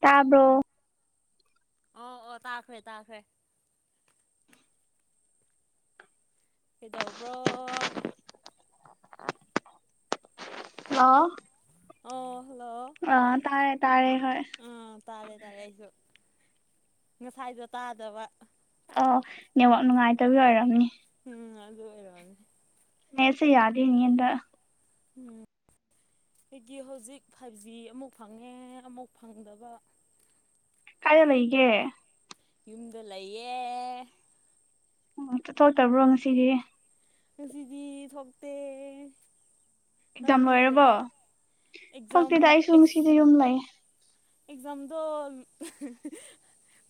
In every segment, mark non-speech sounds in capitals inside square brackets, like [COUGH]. ꯇꯥꯕ꯭ꯔꯣ ꯑꯣ ꯑꯣ ꯇꯥꯈ꯭ꯔꯦ ꯇꯥꯈ꯭ꯔꯦ ꯀꯩꯗꯧꯕ꯭ꯔꯣ ꯍꯜꯂꯣ ꯑꯣ ꯍꯜꯂꯣ ꯑ ꯇꯥꯔꯦ ꯇꯥꯔꯦ ꯍꯣꯏ ꯑꯥ ꯇꯥꯔꯦ ꯇꯥꯔꯦ ꯑꯩꯁꯨ ꯉꯁꯥꯏꯗꯣ ꯇꯥꯗꯕ ꯑꯣ ꯅꯦꯠꯋꯥꯛ ꯅꯨꯡꯉꯥꯏꯇꯕꯩ ꯑꯣꯏꯔꯝꯅꯤ ꯎꯝ ꯑꯗꯨ ꯑꯣꯏꯔꯅꯦ ꯅꯦꯠꯁꯦ ꯌꯥꯗꯦꯅꯦ ꯍꯟꯇꯛ ꯎ ꯑꯩꯒꯤ ꯍꯧꯖꯤꯛ ꯐꯥꯏꯚ ꯖꯤ ꯑꯃꯨꯛ ꯐꯪꯉꯦ ꯑꯃꯨꯛ ꯐꯪꯗꯕ ꯀꯥꯏꯗ ꯂꯩꯒꯦ ꯌꯨꯝꯗ ꯂꯩꯌꯦ ꯑꯣ ꯆꯠꯊꯣꯛꯇꯕ꯭ꯔꯣ ꯉꯁꯤꯗꯤ ꯉꯁꯤꯗꯤ ꯊꯣꯛꯇꯦ ꯑꯦꯛꯖꯥꯝ ꯅꯪꯗꯤ ꯂꯣꯏꯔꯕꯣ ꯑꯦꯛꯖꯥꯝ ꯊꯣꯛꯇꯦꯗ ꯑꯩꯁꯨ ꯑꯦꯁ ꯉꯁꯤꯗꯤ ꯌꯨꯝ ꯂꯩ ꯑꯦꯛꯖꯥꯝꯗꯣ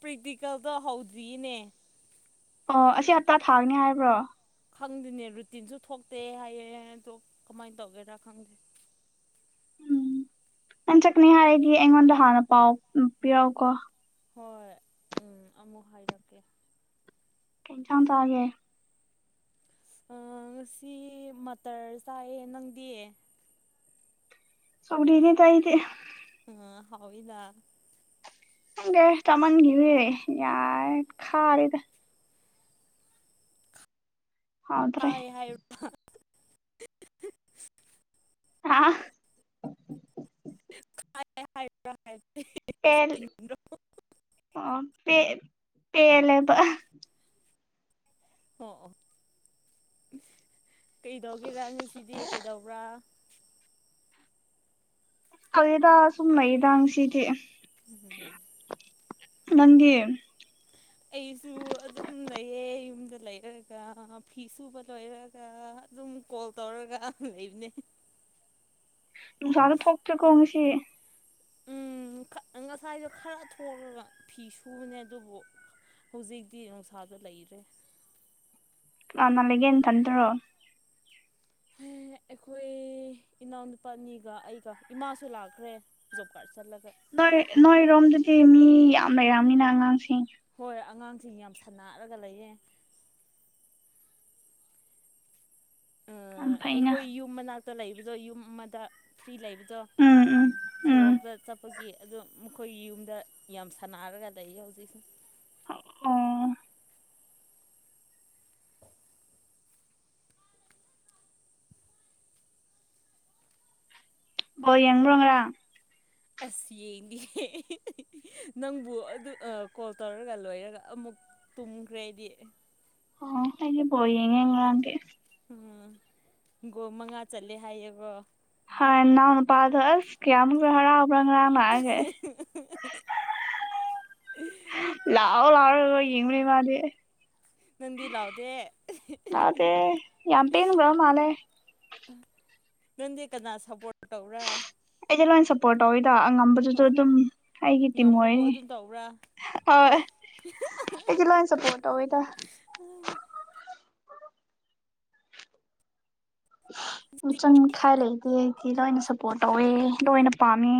ꯄ꯭ꯔꯦꯛꯇꯤꯀꯦꯜꯗꯣ ꯍꯧꯗ꯭ꯔꯤꯅꯦ ꯑꯣ ꯑꯁꯤ ꯍꯞꯇꯥ ꯊꯥꯅꯤ ꯍꯥꯏꯕ꯭ꯔꯣ ꯈꯪꯗꯅꯦ ꯔꯨꯇꯤꯟꯁꯨ ꯊꯣꯛꯇꯦ ꯍꯥꯏꯌꯦ ꯑꯗꯣ ꯀꯃꯥꯏꯟ ꯇꯧꯒꯦꯔꯥ ꯈꯪꯗꯦ ꯎꯝ ꯅꯪ ꯆꯀꯅꯤ ꯍꯥꯏꯔꯒꯤ ꯑꯩꯉꯣꯟꯗ ꯍꯥꯟꯅ ꯄꯥꯎ ꯎ ꯄꯤꯔꯛꯎꯀꯣ ꯍꯣꯏ ꯎꯝ ꯑꯃꯨꯛ ꯍꯥꯏꯔꯛꯀꯦ ꯀꯩ ꯌꯦꯟꯁꯥꯡ ꯆꯥꯒꯦ ꯑ ꯉꯁꯤ ꯃꯇꯔ ꯆꯥꯏꯌꯦ ꯅꯪꯗꯤ ꯁꯧꯗꯤꯅꯤꯗ ꯑꯩꯗꯤ ꯑ ꯍꯥꯎꯏꯗꯥ ꯈꯪꯗꯦ ꯆꯃꯥꯟꯒꯤꯔꯦ ꯌꯥꯔꯦ ꯈꯥꯔꯦꯗ ꯍꯥꯎꯇ꯭ꯔꯦ ꯈꯥꯏ ꯍꯥꯏꯔ ꯑ [INAUDIBLE] ꯄꯦꯜ ꯍꯥꯏꯕ꯭ꯔꯥ ꯑꯣ ꯄꯦ ꯄꯦꯜꯂꯦꯕ꯫ ꯑꯣ ꯑꯣ ꯀꯩꯗꯧꯒꯦꯔꯥ ꯉꯁꯤꯗꯤ ꯀꯩꯗꯧꯕ꯭ꯔꯥ꯫ ꯐꯒꯤꯗ ꯁꯨꯝ ꯂꯩꯗ ꯉꯁꯤꯗꯤ꯫ [UNINTELLIGIBLE] ꯅꯪꯗꯤ꯫ ꯑꯩꯁꯨ ꯑꯗꯨꯝ ꯂꯩꯌꯦ ꯌꯨꯝꯗ ꯂꯩꯔꯒ ꯐꯤ ꯁꯨꯕ ꯂꯣꯏꯔ ꯒ ꯑꯗꯨꯝ ꯀꯣꯜ ꯇꯧꯔꯒ ꯂꯩꯕꯅꯦ꯫ ꯅꯨꯡꯁꯥꯁꯨ ꯊꯣꯛꯇꯦꯀꯣ ꯉꯁꯤ꯫ ꯎꯝ ꯈ-ꯉꯁꯥꯏꯗꯣ ꯈꯔ ꯊꯣꯛꯂꯒ ꯐꯤ ꯁꯨꯕꯅꯦ ꯑꯗꯨꯕꯨ ꯍꯧꯖꯤꯛꯇꯤ ꯅꯨꯡꯁꯥꯗ ꯂꯩꯔꯦ꯫ ꯀꯅꯥ ꯀꯅꯥ ꯂꯩꯒꯦ ꯅꯊꯟꯗꯔꯣ꯫ ꯍꯦ ꯑꯩꯈꯣꯏ ꯏꯅꯥꯎꯅꯨꯄꯥ ꯑꯅꯤꯒ ꯑꯩꯒ ꯏꯃꯥꯁꯨ ꯂꯥꯛꯈ꯭ꯔꯦ꯫ ꯖꯣꯕ ꯀꯥꯔꯗ ꯆꯠꯂꯒ꯫ ꯅꯣꯏ ꯅꯣꯏꯔꯣꯝꯗꯗꯤ ꯃꯤ ꯌꯥꯝ ꯂꯩꯔꯝꯅꯤꯅ ꯑꯉꯥꯡꯁꯤꯡ꯫ ꯍꯣꯏ ꯑꯉꯥꯡꯁꯤꯡ ꯌꯥꯝ ꯁꯅꯥꯔꯒ ꯂꯩꯌꯦ꯫ ꯌꯥꯝ ꯐꯩꯅ ꯑꯩꯈꯣꯏ ꯌꯨꯝ ꯃꯅꯥꯛꯇ ꯂꯩꯕꯗꯣ ꯌꯨꯝ ꯑꯃꯗ ꯐ꯭ꯔꯤ ꯂꯩꯕꯗꯣ ꯎꯝ ꯎꯝ ꯎꯝ ꯁꯣꯔꯣꯛꯇ ꯆꯠꯄꯒꯤ ꯑꯗꯣ ꯃꯈꯣꯏꯒꯤ ꯌꯨꯝꯗ ꯌꯥꯝ ꯁꯥꯟꯅꯔꯒ ꯂꯩꯌꯦ ꯍꯧꯖꯤꯛ꯫ ꯑꯣ꯫ ꯕꯣꯜ ꯌꯦꯡꯕ꯭ꯔꯣ ꯉꯔꯥꯡ꯫ ꯑꯁ ꯌꯦꯡꯗꯦ [UNINTELLIGIBLE] ꯅꯪꯕꯨ ꯑꯗꯨ ꯑ ꯀꯣꯜ ꯇꯧꯔꯒ ꯂꯣꯏꯔꯒ ꯑꯃꯨꯛ ꯇꯨꯝꯈ꯭ꯔꯦ ꯑꯩꯗꯤ꯫ ꯑꯣ ꯑꯩꯗꯤ ꯕꯣꯜ ꯌꯦꯉꯦ ꯉꯔꯥꯡꯗꯤ꯫ ꯑ ꯒꯣꯜ ꯃꯉꯥ ꯆꯜꯂꯦ ꯍꯥꯏꯌꯦꯀꯣ꯫ ꯍ ꯅꯅꯥꯎꯅꯄꯥꯥꯗꯣ ꯑꯁ ꯀꯌꯥꯃꯨꯛ ꯍꯔꯥꯎꯕꯔ ꯉꯔꯥꯡ ꯂꯥꯛꯑꯒ ꯂꯥꯎ ꯂꯥꯎꯔꯒ ꯌꯦꯡꯕꯅꯦ ꯃꯥꯗꯤ꯫ ꯅꯪꯗꯤ ꯂꯥꯎꯗꯦ ꯂꯥꯎꯗꯦ ꯌꯥꯝ ꯄꯦꯟꯈ꯭ꯔ ꯃꯥꯜꯂꯦ ꯅꯪꯗꯤ ꯀꯅꯥ ꯁꯞꯄꯣꯔꯠ ꯇꯧꯕꯔꯥ꯫ ꯑꯩꯗꯤ ꯂꯣꯏꯅ ꯁꯄꯣꯔꯠ ꯇꯧꯋꯤꯗ ꯑꯉꯝꯕ ꯑꯗꯨꯗꯣ ꯑꯗꯨꯝ ꯑꯩꯒꯤ ꯇꯤꯝ ꯉꯝꯕꯕꯨ ꯑꯣꯏꯔꯦ꯫ ꯑꯗꯨꯝ ꯇꯧꯕ꯭ꯔꯥ [UNINTELLIGIBLE] ꯑꯩꯗꯤ ꯂꯣꯏꯅ ꯁꯄꯣꯔꯇ ꯇꯧꯋꯤꯗ꯫ ꯃꯤꯆꯪ ꯃꯤꯈꯥꯏ ꯂꯩꯇꯦ ꯑꯩꯗꯤ ꯂꯣꯏꯅ ꯁꯞꯄꯣꯔꯠ ꯇꯧꯋꯦ ꯂꯣꯏꯅ ꯄꯥꯝꯃꯦ꯫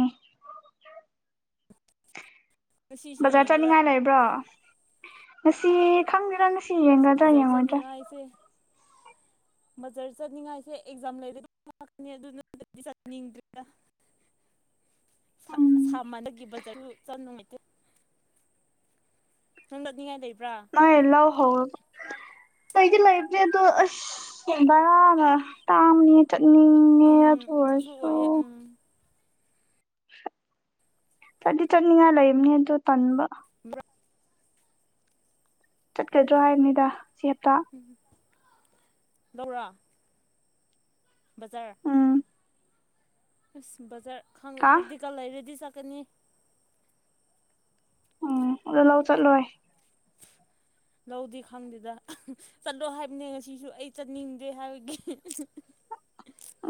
ꯉꯁꯤꯁꯨ ꯕꯖꯥꯔ ꯌꯦꯡꯒꯦꯔꯥ ꯆꯠꯅꯤꯡꯉꯥꯏ ꯂꯩꯕ꯭ꯔꯣ ꯉꯁꯤ ꯈꯪꯗꯦꯗ ꯉꯁꯤ ꯌꯦꯡꯒꯗ꯭ꯔꯥ ꯌꯦꯡꯉꯣꯏꯗ꯭ꯔꯥ꯫ ꯑꯩꯁꯦ [INAUDIBLE] ꯕꯖꯔ ꯆꯠꯅꯤꯡꯉꯥꯏꯁꯦ ꯑꯦꯛꯖꯥꯝ ꯂꯩꯔ [UNINTELLIGIBLE] ꯀꯅꯤ ꯑꯗꯨ ꯅꯠꯇ꯭ꯔꯗꯤ ꯆꯠꯅꯤꯡꯗ꯭ꯔꯦꯗ꯫ ꯎꯝ ꯁꯥ-ꯁꯥꯃꯟ [INAUDIBLE] ꯒꯤ ꯕꯖꯥꯔꯗꯨ ꯆꯠ ꯅꯨꯡꯉꯥꯏꯇꯦ꯫ ꯅꯪ [UNINTELLIGIBLE] ꯅꯤꯡꯉꯥꯏ ꯂꯩꯕ꯭ꯔꯥ꯫ ꯅꯣꯏ ꯂꯧ ꯍꯧ ꯂꯩꯗꯤ ꯂꯩꯇꯦ ꯑꯗꯣ ꯑꯁ ꯕꯔꯥꯒ ꯇꯥꯡꯕꯅꯦ ꯆꯠꯅꯤꯡꯉꯦ ꯎꯝ ꯑꯗꯨꯁꯨ ꯑꯗꯨꯑꯣꯏꯔꯁꯨ ꯑꯣꯏꯌꯦ ꯎꯝ ꯆꯠꯗꯤ ꯆꯠꯅꯤꯡꯉꯥꯏ ꯂꯩꯝꯅꯦ ꯑꯗꯨ ꯇꯟꯕ꯫ [UNINTELLIGIBLE] ꯆꯠꯀꯗ꯭ꯔꯣ ꯍꯥꯏꯕꯅꯤꯗ ꯁꯤ ꯍꯞꯇꯥ꯫ ꯎꯝ ꯂꯧꯔꯥ꯫ ꯕꯖꯥꯔ ꯎꯝ ꯑꯁ ꯕꯖꯥꯔ ꯈꯪꯗꯦ ꯍꯥ ꯄ꯭ꯔꯦꯛꯇꯤꯀꯥ ꯂꯩꯔꯗꯤ ꯆꯠꯀꯅꯤ ꯎꯝ ꯑꯗꯨ ꯂꯧ ꯆꯠꯂꯣꯏ ꯂꯧꯗꯤ ꯈꯪꯗꯦꯗ ꯆꯠꯂꯣ ꯍꯥꯏꯕꯅꯦ ꯉꯁꯤꯁꯨ ꯑꯩ ꯆꯠꯅꯤꯡꯗꯦ ꯍꯥꯏꯕꯒꯤ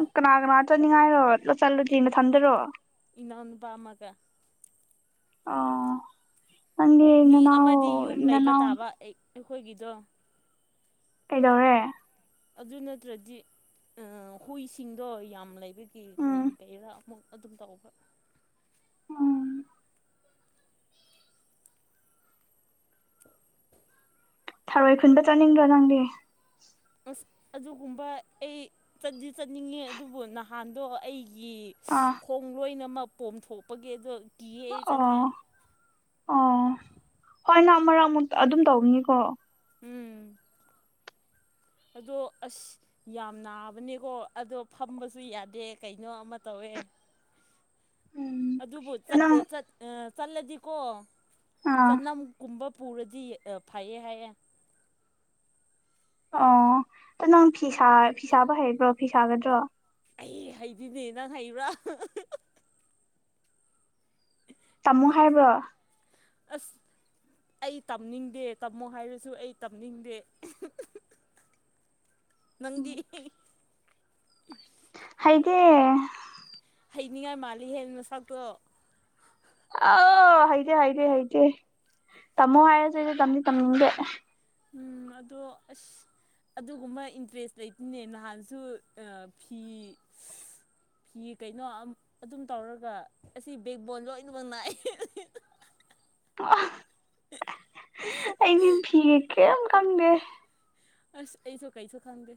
ꯎ ꯀꯅꯥ ꯀꯅꯥ ꯆꯠꯅꯤꯡꯉꯥꯏꯔꯣ ꯆꯠꯂꯨꯗꯤ ꯅꯊꯟꯗꯔꯣ ꯏꯅꯥꯎ ꯅꯨꯄꯥ ꯑꯃꯒ ꯑꯧ ꯃꯤ ꯑꯃꯗꯤ ꯌꯨꯝ ꯂꯩꯕ ꯅꯅꯥꯎ ꯇꯥꯕ ꯑꯩꯈꯣꯏꯒꯤꯗꯣ ꯀꯩꯗꯧꯔꯦ ꯑꯗꯨ ꯅꯠꯇ꯭ꯔꯗꯤ ꯍꯨꯏꯁꯤꯡꯗꯣ ꯌꯥꯝ ꯂꯩꯕ ꯀꯤ ꯀꯩ ꯎꯝ ꯀꯩꯔꯥ ꯑꯃꯨꯛ ꯑꯗꯨꯝ ꯇꯧꯕ ꯎꯝ ꯑ [UNINTELLIGIBLE] ꯊꯔꯣꯏ ꯈꯨꯟꯕ ꯆꯠꯅꯤꯡꯗ꯭ꯔꯣ ꯅꯪꯗꯤ ꯑꯁ ꯑꯗꯨꯒꯨꯝꯕ ꯑꯩ ꯆꯠꯇꯤ ꯆꯠꯅꯤꯡꯉꯦ ꯑꯗꯨꯕꯨ ꯅꯍꯥꯟꯗꯣ ꯑꯩꯒꯤ ꯑꯥ ꯈꯣꯡ ꯂꯣꯏꯅꯃꯛ ꯄꯣꯝꯊꯣꯛꯄꯒꯤ ꯑꯗꯣ ꯀꯤꯌꯦ ꯑꯩ ꯆꯠꯅꯤꯡꯉꯥꯏ ꯑꯣ ꯑꯣ ꯍꯣꯏ ꯅꯪ ꯃꯔꯛ ꯑꯃꯨꯛ ꯑꯗꯨꯝ ꯇꯧꯅꯤꯀꯣ ꯎꯝ ꯑꯗꯣ ꯑꯁ ꯌꯥꯝ ꯅꯥꯕꯅꯦꯀꯣ ꯑꯗꯣ ꯐꯝꯕꯁꯨ ꯌꯥꯗꯦ ꯀꯩꯅꯣ ꯑꯃ ꯇꯧꯋꯦ ꯎꯝ ꯑꯗꯨꯕꯨ ꯑꯗꯣ ꯅꯪ ꯆꯠꯂ ꯆꯠ ꯆꯠꯂꯗꯤꯀꯣ ꯑꯥ ꯆꯅꯝ ꯀꯨꯝꯕ ꯄꯨꯔꯗꯤ ꯐꯩꯌꯦ ꯍꯥꯏꯌꯦ ꯑꯣ ꯑꯗꯨ ꯅꯪ ꯐꯤ ꯁꯥ ꯐꯤ ꯁꯥꯕ ꯍꯩꯕ꯭ꯔꯣ ꯐꯤ ꯁꯥꯒꯗ꯭ꯔꯣ ꯑꯩ ꯍꯩꯖꯤꯗꯤ ꯅꯪ ꯍꯩꯕ꯭ꯔꯥ ꯇꯥꯃꯣ ꯍꯥꯏꯕ꯭ꯔꯣ ꯑꯁ ꯑꯩ ꯇꯝꯅꯤꯡꯗꯦ ꯇꯝꯃꯣ ꯍꯥꯏꯔꯁꯨ ꯑꯩ ꯇꯝꯅꯤꯡꯗꯦ ꯅꯪꯗꯤ ꯍꯩꯗꯦ ꯍꯩꯅꯤꯡꯉꯥꯏ ꯃꯥꯜꯂꯤ ꯍꯦ ꯅꯁꯥꯛꯇꯣ ꯑ ꯍꯩꯗꯦ ꯍꯩꯗꯦ ꯍꯩꯇꯦ ꯇꯝꯃꯣ ꯍꯥꯏꯔꯁꯨ ꯑꯩꯗꯤ ꯇꯝꯗꯤ ꯇꯝꯅꯤꯡꯗꯦ ꯎꯝ ꯑꯗꯣ ꯑꯁ ꯑꯗꯨꯒꯨꯝꯕ ꯏꯟꯇꯔꯦꯁ ꯂꯩꯇꯦꯅꯦ ꯅꯍꯥꯟꯁꯨ ꯐꯤ ꯍꯤ ꯀꯩꯅꯣ ꯑꯗꯨꯝ ꯇꯧꯔꯒ ꯑꯁꯤ ꯕꯦꯛꯕꯣꯟ ꯂꯣꯏꯅꯃꯛ ꯅꯥꯏ ꯑꯩꯗꯤ ꯐꯤꯒ ꯀꯩꯝ ꯈꯪꯗꯦ ꯑꯁ ꯑꯩꯁꯨ ꯀꯩꯁꯨ ꯈꯪꯗꯦ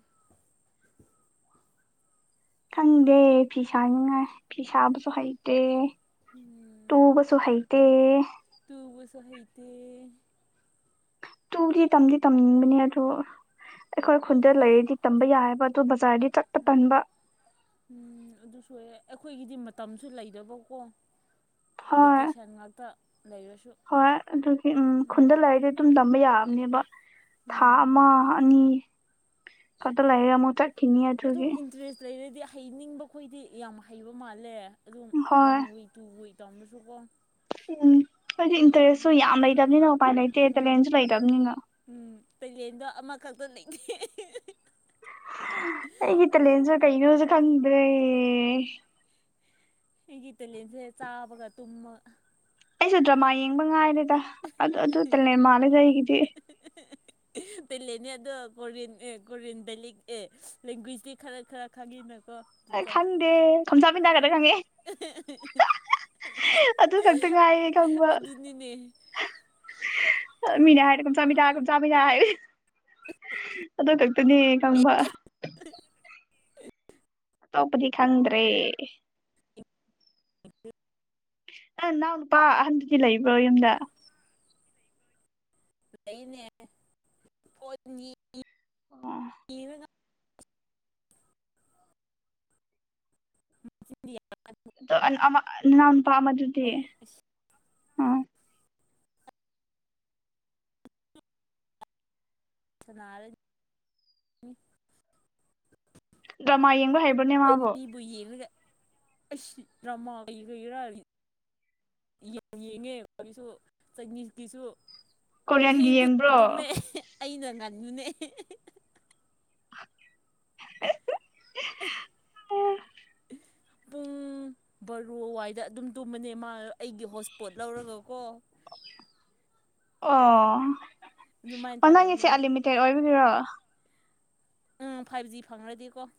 ꯈꯪꯗꯦ ꯐꯤ ꯁꯥꯅꯤꯡꯉꯥꯏ ꯐꯤ ꯁꯥꯕꯁꯨ ꯍꯩꯇꯦ ꯎꯝ ꯇꯨꯕꯁꯨ ꯍꯩꯇꯦ ꯇꯨꯕꯁꯨ ꯍꯩꯇꯦ ꯇꯨꯗꯤ ꯇꯝꯗꯤ ꯇꯝꯅꯤꯡꯕꯅꯦ ꯑꯗꯣ ꯑꯩꯈꯣꯏ ꯈꯨꯟꯗ ꯂꯩꯔꯗꯤ ꯇꯝꯕ ꯌꯥꯏꯑꯕ ꯑꯗꯣ ꯕꯖꯥꯔꯗꯤ ꯆꯠꯄ ꯇꯟꯕ ꯎꯝ ꯑꯗꯨꯁꯨ ꯑꯣꯏꯌꯦ ꯑꯩꯈꯣꯏꯒꯤꯗꯤ ꯃꯇꯝꯁꯨ ꯂꯩꯗꯕꯀꯣ ꯍꯣꯏ ꯕꯤꯀꯤꯁꯟ ꯉꯥꯛꯇ ꯂꯩꯔꯁꯨ ꯍꯣꯏ ꯑꯗꯨꯒꯤ ꯎꯝ ꯈꯨꯟꯗ ꯂꯩꯔꯤꯗꯤ ꯑꯗꯨꯝ ꯇꯝꯕ ꯌꯥꯕꯅꯦꯕ ꯊꯥ ꯑꯃ ꯎꯝ ꯑꯅꯤ ꯈꯛꯇ ꯂꯩꯔ ꯑꯃꯨꯛ ꯆꯠ ꯑꯗꯨꯝ ꯏꯟꯇꯔꯦꯁ ꯂꯩꯔꯗꯤ ꯍꯩꯅꯤꯡꯕꯈꯣꯏꯗꯤ ꯌꯥꯝ ꯍꯩꯕ ꯃꯥꯜꯂꯦ ꯑꯗꯨꯝ ꯍꯣꯏ ꯋꯥꯟ ꯋꯤ ꯇꯨ ꯋꯤ ꯇꯥꯝꯕꯁꯨꯀꯣ ꯎꯝ ꯍꯥꯏꯗꯤ ꯏꯟꯇꯔꯦꯁꯁꯨ ꯌꯥꯝ ꯂꯩꯇꯕꯅꯤꯅ ꯎꯄꯥꯏ ꯂꯩꯇꯦ ꯎꯝ ꯇꯦꯂꯦꯟꯁꯨ ꯂꯩꯇꯕꯅꯤꯅ ꯎꯝ ꯇꯦꯂꯦꯟꯗꯣ ꯑꯃꯈꯛꯇ ꯂꯩꯇꯦ ꯑꯩꯒꯤ ꯇꯦꯂꯦꯟꯁꯦ ꯀꯩꯅꯣꯁꯨ ꯈꯪꯗ꯭ꯔꯦ ꯑꯩꯒꯤ ꯇꯦꯂꯦꯟꯁꯦ ꯆꯥꯕꯒ ꯇꯨꯝꯃ ꯑꯩꯁꯨ ꯗ꯭ꯔꯃꯥ ꯌꯦꯡꯕ ꯉꯥꯏꯔꯦꯗ ꯑꯗꯨ ꯑꯗꯨ ꯇꯦꯂꯦꯟ ꯃꯥꯜꯂꯦꯗ ꯑꯩꯒꯤꯗꯤ [UNINTELLIGIBLE] ꯇꯦꯂꯦꯟꯅꯦ ꯑꯗꯣ ꯀꯣꯔꯤꯌꯟ ꯑꯦ ꯀꯣꯔꯤꯌꯟ ꯕꯦꯂꯦꯛ ꯑꯦ ꯂꯦꯡꯒ꯭ꯋꯦꯁꯇꯤ ꯈꯔ ꯈꯔ ꯈꯪꯉꯤꯅꯀꯣ ꯑꯗꯨꯗꯣ ꯈꯪꯗꯦ ꯈꯝꯖꯥꯕꯤꯗꯥꯒꯗ ꯈꯪꯉꯦ ꯑꯗꯨ ꯈꯛꯇ ꯉꯥꯏꯌꯦ ꯈꯪꯕ ꯑꯗꯨꯅꯤꯅꯦ ꯃꯤꯅꯥ ꯍꯥꯏꯔꯒ [UNINTELLIGIBLE] ꯑꯗꯨ ꯈꯛꯇꯅꯦ ꯈꯪꯕ [UNINTELLIGIBLE] ꯑꯇꯣꯞꯄꯗꯤ ꯈꯪꯗ꯭ꯔꯦ ꯑ [UNINTELLIGIBLE] ꯑꯪ ꯅꯅꯥꯎ ꯅꯨꯄꯥ ꯑꯍꯟꯗꯨꯗꯤ ꯂꯩꯕ꯭ꯔꯣ ꯌꯨꯝꯗ ꯂꯩꯅꯦ ꯐꯣꯟꯒꯤ ꯑꯥ [UNINTELLIGIBLE] ꯑꯃ ꯅꯅꯥꯎ ꯅꯨꯄꯥ ꯑꯃꯥꯗꯨꯗꯤ ꯁꯥꯟꯅꯔꯤ ꯗꯔꯃꯥ ꯌꯦꯡꯕ ꯍꯩ ꯃꯣꯏ ꯑꯅꯤꯕꯨ ꯌꯦꯡꯔꯥꯒꯥ ꯑꯩꯁ ꯗ꯭ꯔꯃꯥ ꯀꯩꯒꯤꯔꯥ ꯌꯦꯡꯉꯦ ꯈꯣꯏꯁꯨ ꯆꯥꯏꯅꯤꯀꯤꯁꯨ ꯀꯣꯔꯤꯌꯟꯒꯤ ꯊꯦꯡ ꯊꯦꯡ ꯌꯦꯡꯕ꯭ꯔꯣ ꯇꯨꯝꯃꯦ ꯑꯩꯅ ꯉꯜꯕꯅꯦ [UNINTELLIGIBLE] ꯄꯨꯡ ꯕꯥꯔꯣꯋꯥꯏꯗ ꯑꯗꯨꯝ ꯇꯨꯝꯕꯅꯦ ꯃꯥ ꯑꯩꯒꯤ ꯍꯣꯠꯁꯄꯣꯠ ꯂꯧꯔꯒꯀꯣ ꯑꯗꯨꯃꯥꯏꯅ ꯑꯣ ꯅꯪꯒꯤꯁꯦ ꯇꯧꯕꯅꯦ [UNINTELLIGIBLE] ꯑꯣꯏꯕꯥꯁꯤꯔꯣ ꯎꯝ ꯐꯥꯏꯚ ꯖꯤ ꯐꯪꯔꯗꯤꯀꯣ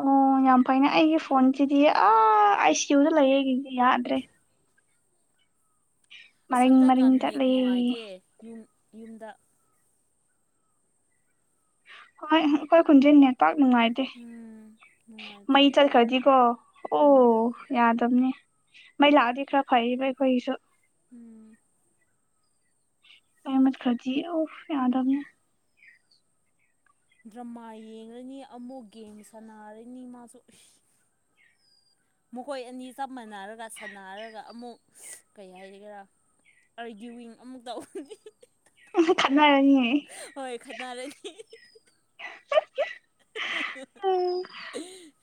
ꯑꯣ ꯌꯥꯝ ꯐꯩꯅꯦ ꯑꯩꯒꯤ ꯐꯣꯟꯁꯤꯗꯤ ꯑꯥ ꯑꯥꯏ ꯁꯤ ꯌꯨꯗ ꯂꯩꯌꯦ ꯑꯩꯒꯤꯗꯤ ꯌꯥꯗ꯭ꯔꯦ ꯑꯁ ꯃꯔꯤꯡ ꯃꯔꯤꯡ ꯍꯟꯗꯛꯀꯥꯟ ꯅꯦꯠ ꯆꯠꯂꯦ ꯅꯨꯡꯉꯥꯏꯇꯦ ꯌꯨꯝ ꯌꯨꯝꯗꯥ ꯍꯣꯏ ꯑꯈꯣꯏ ꯈꯨꯟꯖꯤ ꯅꯦꯠ ꯄꯥꯛ ꯅꯨꯡꯉꯥꯏ ꯇꯦ ꯎꯝ ꯅꯨꯡꯉꯥꯏꯇꯦ ꯃꯩ ꯆꯠꯈꯔꯥꯗꯤ ꯀꯣ ꯑꯣ ꯎꯝ ꯌꯥꯗꯕꯅꯤ ꯃꯩ ꯂꯥꯛꯑꯥꯗꯤ ꯈꯔ ꯐꯩꯕ ꯑꯈꯣꯏꯒꯤꯁꯨ ꯎꯝ ꯃꯩ ꯃꯨꯠꯈꯔꯗꯤ ꯑꯣ ꯌꯥꯗꯕꯅꯤ ꯗ꯭ꯔꯃꯥ ꯌꯦꯡꯔꯥꯅꯤ ꯑꯃꯨꯛ ꯒꯦꯝ ꯁꯥꯟꯅꯔꯅꯤ ꯃꯥꯁꯨ ꯃꯈꯣꯏ ꯑꯅꯤ ꯆꯞ ꯃꯥꯟꯅꯔꯒ ꯁꯥꯟꯅꯔꯒ ꯑꯃꯨꯛ ꯀꯩ ꯍꯥꯏꯒꯦꯔꯥ ꯑꯔꯒ꯭ꯌꯨꯋꯤ [UNINTELLIGIBLE] ꯡ ꯑꯃꯨꯛ ꯇꯧꯔꯗꯤ ꯈꯠꯅꯔꯅꯤꯌꯦ ꯍꯣꯏ ꯈꯠꯅꯥꯔꯅꯤ ꯑꯣ [UNINTELLIGIBLE]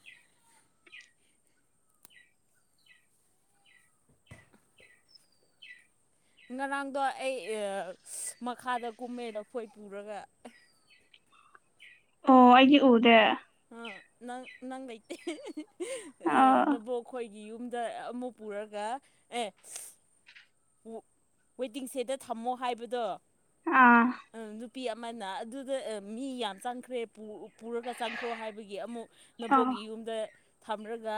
ꯉꯔꯥꯡꯗꯣ ꯑꯩ ꯃꯈꯥꯗ ꯀꯨꯝꯃꯦ ꯂꯐꯣꯏ ꯄꯨꯔꯒ ꯍꯣ ꯑꯩꯒꯤ ꯎꯗꯦ ꯑꯥ ꯅꯪ ꯅꯪ ꯅꯩꯇꯦ ꯑꯣ ꯅꯕꯣꯛ ꯈꯣꯢ ꯒꯤ ꯌꯨꯝꯗꯥ ꯑꯃꯨꯛ ꯄꯨꯔꯒꯥ ꯑꯦ ꯋꯦꯇꯤꯡ ꯁꯦꯗꯗꯥ ꯊꯝꯃꯣ ꯍꯥꯏꯕꯗꯣ ꯑꯥ ꯅꯨꯄꯤ ꯑꯃꯥꯅ ꯑꯗꯨꯗꯥ ꯃꯤ ꯌꯥꯝ ꯆꯪꯈ꯭ꯔꯦ ꯄꯨ ꯄꯨꯔꯒꯥ ꯆꯪꯈ꯭ꯔꯣ ꯍꯥꯏꯕꯒꯤ ꯑꯃꯨꯛ ꯑꯣ ꯅꯕꯣꯛꯒꯤ ꯌꯨꯝꯗ ꯊꯝꯔꯥꯒꯥ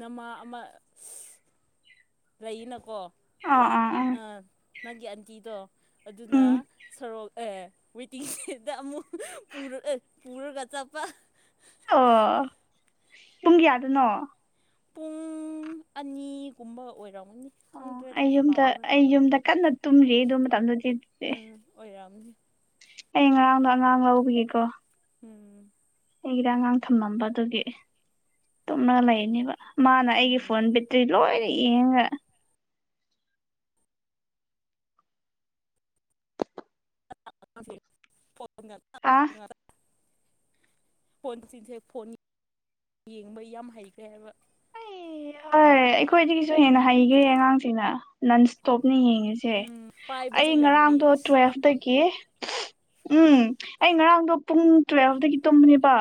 ꯅꯃꯥ ꯑꯃꯥ ꯂꯩꯅꯥꯀꯣ ꯑꯣ ꯑꯣ ꯅꯪꯒꯤ ꯑꯟꯇꯤꯗꯣ ꯑꯗꯨꯅ ꯎꯝ ꯁꯣꯔꯣꯛ ꯑꯦ ꯋꯦꯇꯤꯡꯁꯦꯗꯗꯥ ꯑꯃꯨꯛ ꯄꯨꯔꯒ ꯆꯠꯄꯥ ꯑꯣ ꯄꯨꯡ ꯀꯌꯥꯗꯅꯣ ꯄꯨꯡ ꯑꯅꯤꯒꯨꯝꯕ ꯑꯣꯏꯔꯝꯅꯤ ꯑꯣ ꯑꯩ ꯌꯨꯝꯗ ꯑꯩ ꯌꯨꯝꯗ ꯀꯟꯅꯥ ꯇꯨꯝꯔꯤ ꯑꯗꯨ ꯃꯇꯝꯗꯨꯗꯤ ꯎꯝ ꯑꯣꯏꯔꯝꯅꯤ ꯑꯩ ꯉꯔꯥꯡꯗꯣ ꯑꯉꯥꯡ ꯂꯧꯕꯥꯒꯤꯀꯣ ꯎꯝ ꯑꯩꯒꯤꯗꯥ ꯑꯉꯥꯡ ꯊꯝꯃꯝꯕꯥꯗꯨꯒꯤ ꯇꯨꯝꯔꯒꯥ ꯂꯩꯅꯦꯕ ꯃꯥꯅ ꯑꯩꯒꯤ ꯎꯝ ꯐꯣꯟ ꯕꯦꯇ꯭ꯔꯤ ꯂꯣꯏꯅ ꯌꯦꯡꯉꯒ [UNINTELLIGIBLE] ꯑꯥ ꯐꯣꯟꯁꯤꯡꯁꯦ ꯐꯣꯟ ꯌꯦꯡꯕ ꯌꯥꯝ ꯍꯩꯈ꯭ꯔꯦ ꯍꯥꯏꯕ ꯑꯩ ꯑꯩꯈꯣꯏꯗꯒꯤꯁꯨ ꯍꯦꯟꯅ ꯍꯩꯈ꯭ꯔꯦ ꯑꯉꯥꯡꯁꯤꯡꯅ ꯅꯟꯁꯇꯣꯞꯅꯦ ꯌꯦꯡꯉꯤꯁꯦ ꯁꯦ ꯎꯝ ꯄꯥꯏꯕꯁꯨ ꯑꯩ ꯌꯥꯝ ꯍꯩ ꯉꯔꯥꯡꯗꯣ ꯑꯁ ꯇꯨꯋꯦꯞꯇꯥꯒꯤ ꯎꯝ ꯑꯩ ꯉꯔꯥꯡꯗꯣ ꯄꯨꯡ ꯇꯨꯋꯦꯜꯞꯇꯗꯒꯤ ꯇꯨꯝꯕꯅꯦꯕ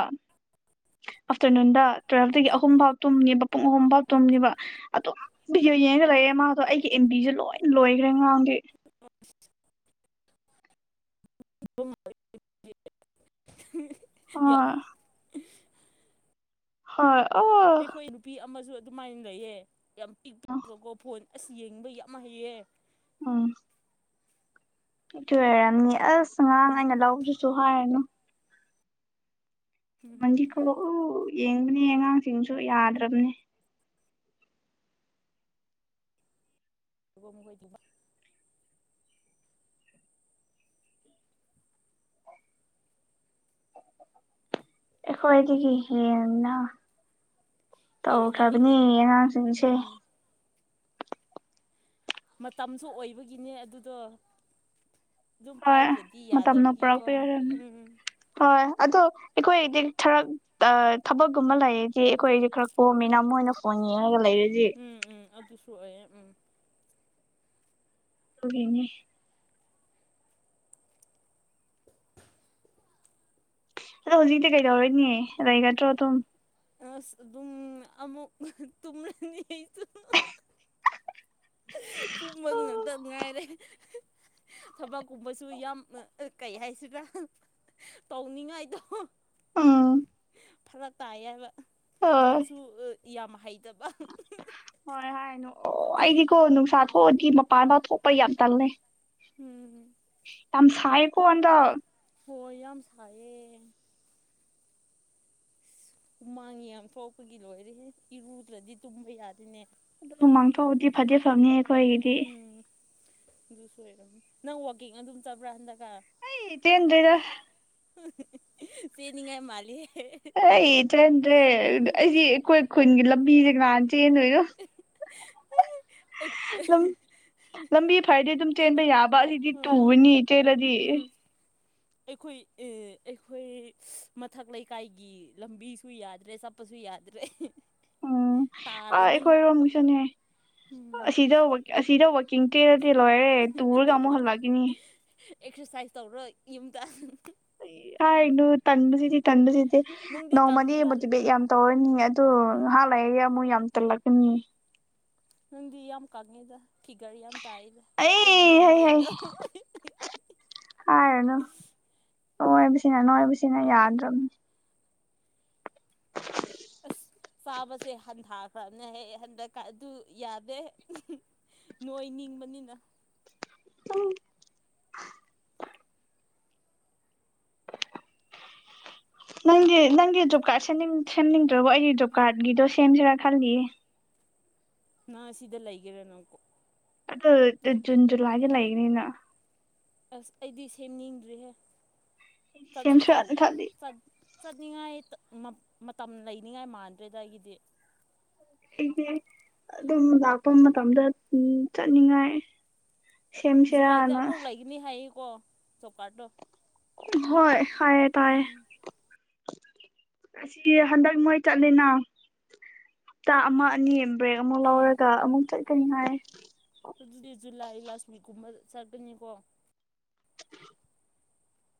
ꯑꯥꯐꯇꯔꯅꯨꯟꯗ ꯇꯨꯋꯦꯜꯐꯇꯒꯤ ꯑꯍꯨꯝꯐꯥꯎ ꯇꯨꯝꯅꯦꯕ ꯄꯨꯡ ꯑꯍꯨꯝꯐꯥꯎ ꯇꯨꯝꯅꯦꯕ ꯑꯗꯨꯝ ꯕꯤꯗꯤꯌꯣ ꯌꯦꯡꯉꯒ ꯂꯩꯌꯦ ꯃꯥꯗꯣ ꯑꯩꯒꯤ ꯑꯦꯝꯕꯤꯖꯨ ꯂꯣꯏ ꯂꯣꯏꯈ꯭ꯔꯦ ꯉꯥꯔꯥꯡꯗꯤ [UNINTELLIGIBLE] [UNINTELLIGIBLE] ꯍꯣꯏ ꯍꯣꯏ ꯑ ꯑꯩꯈꯣꯏ ꯅꯨꯄꯤ ꯑꯃꯁꯨ ꯑꯗꯨꯃꯥꯏꯅ ꯂꯩꯌꯦ ꯌꯥꯝ ꯄꯤꯛ [UNINTELLIGIBLE] ꯀꯣ ꯐꯣꯟ ꯑꯁ ꯌꯦꯡꯕ ꯌꯥꯝ ꯍꯩꯌꯦ [UNINTELLIGIBLE] ꯑꯗꯨꯏ ꯑꯣꯏꯔꯝꯅꯤ ꯑꯁ ꯉꯔꯥꯡ ꯎꯝ ꯑꯩꯅ ꯂꯧꯗꯨꯁꯨ ꯍꯥꯏꯔꯒ [UNINTELLIGIBLE] ꯌꯦꯡꯕꯅꯦ ꯑꯉꯥꯡꯁꯤꯡꯁꯨ ꯌꯥꯗ꯭ꯔꯕꯅꯦ [UNINTELLIGIBLE] ꯑꯩꯈꯣꯏꯗꯒꯤ ꯍꯦꯟꯅ ꯍꯦꯟꯅꯅꯤ ꯇꯧꯈ꯭ꯔꯕꯅꯤ ꯍꯦꯟꯅꯅꯤ ꯑꯉꯥꯡꯁꯤꯡꯁꯦ ꯎꯝ ꯃꯇꯝꯁꯨ ꯑꯣꯏꯕꯒꯤꯅꯦ ꯑꯗꯨꯗꯣ ꯑꯗꯨꯝ ꯍꯣꯏ ꯄꯥꯏꯗ꯭ꯔꯗꯤ ꯃꯇꯝꯅ ꯌꯥꯗꯕꯒꯤꯀꯣ ꯄꯨꯔꯛꯄ ꯑꯣꯏꯔꯝꯅꯤ ꯎꯝ ꯍꯣꯏ ꯑꯗꯣ ꯑꯩꯈꯣꯏꯗꯤ ꯊꯔꯛ ꯊꯕꯛꯀꯨꯝꯕ ꯂꯩꯔꯤꯗꯤ ꯑꯩꯈꯣꯏꯗꯤ ꯈꯔ ꯀꯣꯝꯃꯤꯅ ꯃꯣꯏꯅ ꯐꯣꯟ ꯌꯦꯡꯉꯒ ꯂꯩꯔꯗꯤ ꯎꯝ ꯎꯝ ꯑꯗꯨꯁꯨ ꯑꯣꯏꯌꯦ ꯎꯝ ꯑꯗꯨꯒꯤꯅꯦ ꯑꯗꯣ ꯍꯧꯖꯤꯛꯇꯤ ꯀꯩꯗꯧꯔꯨꯅꯤ ꯂꯩꯒꯗ꯭ꯔꯣ ꯑꯗꯨꯝ ꯑꯁ ꯑꯗꯨꯝ ꯑꯃꯨꯛ ꯇꯨꯝꯔꯅꯤ ꯑꯩꯁꯨ ꯇꯨꯝꯕ ꯉꯥꯛꯇ ꯉꯥꯏꯔꯦ ꯊꯕꯛꯀꯨꯝꯕꯁꯨ ꯌꯥꯝ ꯑ ꯑ ꯀꯩ ꯍꯥꯏꯁꯤꯔꯥ ꯇꯧꯅꯤꯡꯉꯥꯏꯗꯣ ꯎꯝ ꯐꯔꯛ ꯇꯥꯏ ꯍꯥꯏꯕ ꯍꯣꯏ ꯂꯧꯁꯨ ꯌꯥꯝ ꯍꯩꯇꯕ ꯍꯣꯏ ꯍꯥꯏꯔꯅꯨ ꯑꯣ ꯑꯩꯗꯤꯀꯣ ꯅꯨꯡꯁꯥ ꯊꯣꯛꯑꯗꯤ ꯃꯄꯥꯟꯗ ꯊꯣꯛꯄ ꯌꯥꯝ ꯇꯜꯂꯦ ꯎꯝ ꯌꯥꯝ ꯁꯥꯏꯌꯦꯀꯣ ꯍꯟꯗꯛ ꯍꯣ ꯌꯥꯝ ꯁꯥꯏꯌꯦ ꯏꯁ ꯍꯨꯃꯥꯡ ꯌꯥꯝ ꯊꯣꯛꯄꯒꯤ ꯂꯣꯏꯔꯦꯍꯦ ꯏꯔꯨꯗ꯭ꯔꯗꯤ ꯇꯨꯝꯕ ꯌꯥꯗꯦꯅꯦ ꯍꯨꯃꯥꯡ ꯊꯣꯛꯑꯗꯤ ꯐꯗꯤ ꯐꯕꯅꯤꯍꯦ ꯎꯝ ꯑꯗꯨꯁꯨ ꯑꯣꯏꯔꯝꯅꯤ ꯅꯪ ꯋꯥꯀꯤꯡ ꯑꯗꯨꯝ ꯆꯠꯄ꯭ꯥꯔ ꯍꯟꯗꯛꯀ [UNINTELLIGIBLE] ꯆꯦꯟꯗꯦꯗ ꯆꯦꯅꯤꯡꯉꯥꯏ ꯃꯥꯂꯦꯍꯦ ꯑꯩ ꯆꯦꯟꯗ꯭ꯔꯦ ꯑꯩꯁꯤ ꯑꯩꯈꯣꯏ ꯈꯨꯟꯒꯤ ꯂꯝꯕꯤꯁꯦ ꯀꯅꯥꯅ ꯆꯦꯟꯗꯣꯏ [UNINTELLIGIBLE] ꯂꯝꯕꯤ ꯐꯔꯗꯤ ꯑꯗꯨꯝ ꯆꯦꯟꯕ ꯌꯥꯕ ꯑꯁꯤꯗꯤ ꯎꯝ ꯇꯨꯔꯅꯤ ꯎꯝ ꯑꯩꯈꯣꯏ ꯑꯦ ꯑꯩꯈꯣꯏ ꯃꯊꯛ ꯂꯩꯀꯥꯏꯒꯤ ꯂꯝꯕꯤꯁꯨ ꯌꯥꯗ꯭ꯔꯦ ꯆꯞ ꯄꯁꯨ ꯌꯥꯗ꯭ꯔꯦ ꯎꯝ ꯑꯥ ꯇꯥꯔꯅꯤ ꯑꯩꯈꯣꯏꯔꯣꯝꯒꯤꯁꯨꯅꯦ ꯎꯝ ꯑꯁꯤꯗ ꯋꯥꯛ ꯑꯁꯤꯗ ꯋꯥꯛ [UNINTELLIGIBLE] ꯂꯣꯏꯔꯦ ꯇꯨꯔꯒ ꯑꯃꯨꯛ ꯍꯂꯛꯀꯅꯤ ꯑꯦꯛꯁꯔꯁꯥꯏꯁ ꯇꯧꯔꯣ ꯌꯨꯝꯗ ꯍꯥꯏꯅꯨ ꯇꯟꯕꯁꯤꯗꯤ ꯇꯟꯕꯁꯤꯗꯤ ꯅꯪꯗꯤ ꯅꯣꯡꯃꯗꯤ ꯀꯪꯉꯤꯗ ꯃꯣꯇꯤꯕꯦꯠ ꯌꯥꯝ ꯇꯧꯔꯅꯤ ꯑꯗꯨ ꯉꯍꯥꯛ ꯂꯩꯔ ꯑꯃꯨꯛ ꯌꯥꯝ ꯇꯜꯂꯛꯀꯅꯤ ꯅꯪꯗꯤ ꯌꯥꯝ ꯀꯪꯉꯦꯗ ꯐꯤꯒꯔ ꯌꯥꯝ ꯇꯥꯏꯗ ꯑꯩ ꯑꯩꯅꯦ ꯍꯩ ꯍꯩ ꯅꯣꯏꯕꯗ ꯍꯥꯏꯔꯅꯨ ꯅꯣꯏꯕꯁꯤꯅ ꯅꯣꯏꯕꯁꯤꯅ ꯌꯥꯗ꯭ꯔꯝꯅꯤ ꯑꯁ ꯆꯥꯕꯁꯦ ꯍꯟꯊꯥꯈ꯭ꯔꯝꯅꯦ ꯍꯟꯗ ꯑꯗꯨ ꯌꯥꯗꯦ ꯅꯣꯏꯅꯤꯡꯕꯅꯤꯅ [UNINTELLIGIBLE] [INAUDIBLE] ꯅꯪꯗꯤ ꯅꯪꯒꯤ ꯖꯣꯕ ꯀꯥꯔꯗ ꯁꯦꯝꯅꯤꯡ ꯁꯦꯝꯅꯤꯡꯗ꯭ꯔꯕꯣ ꯑꯩꯗꯤ ꯖꯣꯕ ꯀꯥꯔꯗꯒꯤꯗꯣ ꯁꯦꯝꯁꯤꯔ ꯈꯜꯂꯤꯌꯦ ꯅꯪ ꯑꯁꯤꯗ ꯂꯩꯒꯦꯔꯥ ꯅꯪꯀꯣ ꯑꯗꯨ ꯎ ꯖꯨꯟ ꯖꯨꯂꯥꯏꯒꯤ ꯂꯩꯒꯅꯤꯅ ꯑꯁ ꯑꯩꯗꯤ ꯁꯦꯝꯅꯤꯡꯗ꯭ꯔꯤꯍꯦ ꯆꯠꯁꯨ ꯆꯠ ꯁꯦꯝꯁꯤꯔꯥꯅ ꯈꯜꯂꯤ ꯆꯠ ꯆꯠꯅꯤꯡꯉꯥꯏ ꯇ ꯃꯠ ꯃꯇꯝ ꯂꯩꯅꯤꯡꯉꯥꯏ ꯃꯥꯟꯗ꯭ꯔꯦꯗ ꯑꯩꯒꯤꯗꯤ ꯑꯩꯗꯤ ꯑꯗꯨꯝ ꯂꯥꯛꯄ ꯃꯇꯝꯗ ꯎꯝ ꯆꯠꯅꯤꯡꯉꯥꯏ ꯖꯨꯂꯥꯏꯗ ꯁꯦꯝꯁꯤꯔꯥꯅ ꯑꯃꯨꯛ ꯂꯩꯒꯅꯤ ꯍꯥꯏꯌꯦꯀꯣ ꯖꯣꯕ ꯀꯥꯔꯠꯇꯣ ꯎꯝ ꯍꯣꯏ ꯍꯥꯏꯌꯦ ꯇꯥꯏꯌꯦ ꯑꯁꯤ ꯍꯟꯗꯛ ꯃꯣꯏ ꯆꯠꯂꯤꯅ ꯍꯞꯇꯥ ꯑꯃ ꯑꯅꯤ ꯕ꯭ꯔꯦꯛ ꯑꯃꯨꯛ ꯎꯝ ꯂꯧꯔꯒ ꯑꯃꯨꯛ ꯆꯠꯀꯅꯤ ꯍꯥꯏꯌꯦ ꯑꯗꯨꯗꯤ ꯖꯨꯂꯥꯏ ꯂꯥꯁꯋꯤꯛꯀꯨꯝꯕ ꯆꯠꯀꯅꯤꯀꯣ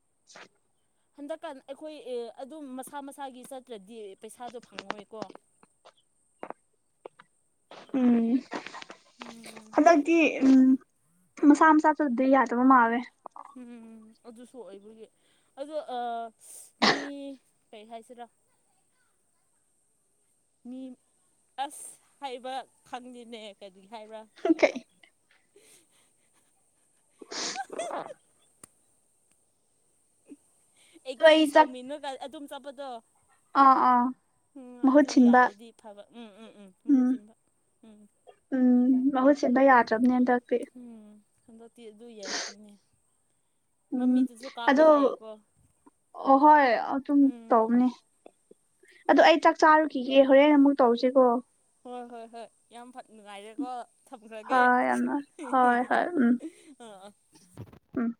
[INAUDIBLE] ꯍꯟꯗꯛꯀꯥꯟ ꯑꯩꯈꯣꯏ ꯑꯦ ꯑꯗꯨꯝ ꯃꯁꯥ ꯃꯁꯥꯒꯤ ꯆꯠꯇ꯭ꯔꯗꯤ ꯄꯩꯁꯥꯗꯣ ꯐꯪꯉꯣꯏꯀꯣ ꯎꯝ ꯎꯝ ꯍꯟꯗꯛꯇꯤ ꯎꯝ ꯃꯁꯥ ꯃꯁꯥꯁꯨꯗꯤ ꯌꯥꯗꯕ ꯃꯥꯜꯂꯦ ꯎꯝ ꯑꯗꯨꯁꯨ ꯑꯣꯏꯕꯒꯤ ꯑꯗꯣ ꯑ ꯃꯤ ꯀꯩ ꯍꯥꯏꯁꯤꯔꯥ ꯃꯤ ꯑꯁ ꯍꯥꯏꯕ ꯈꯪꯉꯦꯅꯦ ꯀꯔꯤ ꯍꯥꯏꯕ꯭ꯔꯥ [UNINTELLIGIBLE] ꯂꯣꯏ ꯑꯦꯛꯆꯦꯟꯖ ꯆꯠ ꯇꯧꯃꯤꯅ ꯑꯗꯨꯝ ꯆꯠꯄꯗꯣ ꯑꯥ ꯑꯥ ꯎꯝ ꯃꯍꯨꯠ ꯑꯗꯨ ꯁꯤꯟꯕ ꯌꯥꯔꯗꯤ ꯐꯕ ꯎꯝ ꯎꯝ ꯎꯝ ꯃꯍꯨꯠ ꯁꯤꯟꯕ ꯎꯝ ꯎꯝ ꯃꯍꯨꯠ ꯁꯤꯟꯕ ꯌꯥꯗ꯭ꯔꯕꯅꯦ ꯍꯟꯇꯥꯛꯇꯤ ꯎꯝ ꯍꯟꯗꯛꯇꯤ ꯑꯗꯨ ꯌꯥꯗꯤꯅꯦ ꯎꯝ ꯃꯃꯤꯠꯇꯁꯨ ꯀꯥꯞꯄꯦ ꯑꯗꯣ ꯍꯥꯏꯌꯦꯀꯣ ꯍꯣꯏ ꯑꯗꯨꯝ ꯎꯝ ꯇꯧꯅꯤ ꯑꯗꯨ ꯑꯩ ꯆꯥꯛ ꯆꯥꯔꯨꯈꯤꯒꯦ ꯍꯣꯔꯦꯟ ꯑꯃꯨꯛ ꯇꯧꯁꯤꯀꯣ ꯍꯣꯏ ꯍꯣꯏ ꯍꯣꯏ ꯌꯥꯝ ꯐꯠ ꯅꯨꯡꯉꯥꯏꯔꯦꯀꯣ ꯊꯝꯈ꯭ꯔꯒꯦ ꯍꯣꯏ ꯌꯥꯝꯅ ꯍꯣꯏ ꯍꯣꯏ ꯎꯝ ꯎꯝ